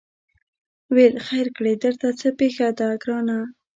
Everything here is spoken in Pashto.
ویل خیر کړې درته څه پېښه ده ګرانه